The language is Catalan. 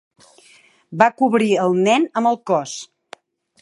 Va cobrir el nen amb el cos.